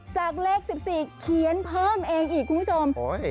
จากเลข๑๔เขียนเพิ่มเองอีกคุณผู้ชม